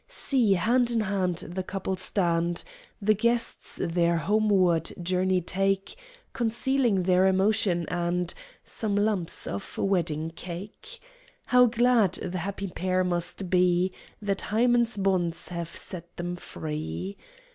See, hand in hand, the couple stand! (The guests their homeward journey take, Concealing their emotion and Some lumps of wedding cake!) How glad the happy pair must be That Hymen's bonds have set them free!